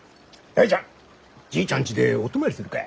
大ちゃんじいちゃんちでお泊まりするか！